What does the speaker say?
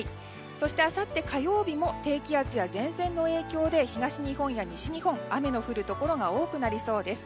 そしてあさって火曜日も低気圧や前線の影響で東日本や西日本、雨が降るところ多くなりそうです。